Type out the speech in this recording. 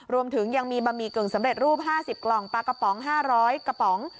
รวมถึงยังมีบะหมี่กึ่งสำเร็จรูป๕๐กล่องปลากระป๋อง๕๐๐กระป๋อง